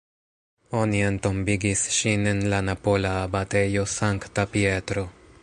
Oni entombigis ŝin en la napola abatejo Sankta Pietro.